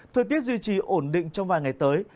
thời tiết duy trì ổn định trong vài ngày tới